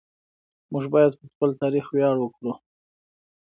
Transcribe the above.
موږ باید پر خپل تاریخ ویاړ وکړو.